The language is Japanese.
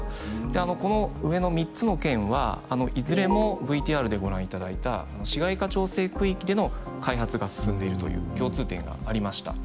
であのこの上の３つの県はいずれもＶＴＲでご覧いただいた市街化調整区域での開発が進んでいるという共通点がありました。